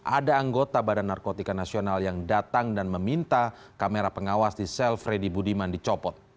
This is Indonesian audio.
ada anggota badan narkotika nasional yang datang dan meminta kamera pengawas di sel freddy budiman dicopot